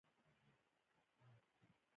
د باد اواز له غره راځي.